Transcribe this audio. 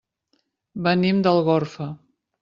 Venim d'Algorfa.